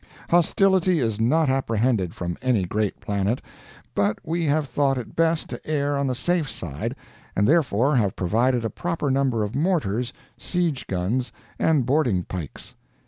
Hostility is not apprehended from any great planet, but we have thought it best to err on the safe side, and therefore have provided a proper number of mortars, siege guns, and boarding pikes.